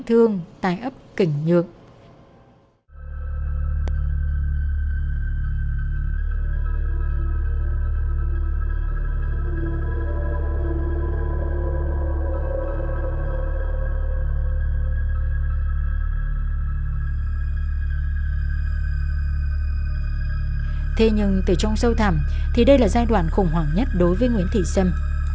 thế nhưng từ trong sâu thảm thì đây là giai đoạn khủng hoảng nhất đối với nguyễn thị xâm